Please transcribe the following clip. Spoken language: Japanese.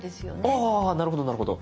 あなるほどなるほど。